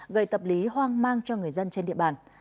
gây tâm lý hoang mang cho người dân trên địa bàn